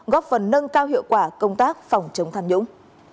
góp phần nâng cao hiệu quả công tác phòng chống tham nhũng